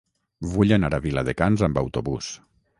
Vull anar a Viladecans amb autobús.